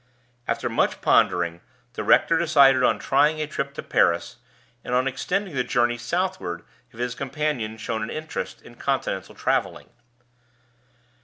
After much pondering, the rector decided on trying a trip to Paris, and on extending the journey southward if his companion showed an interest in Continental traveling.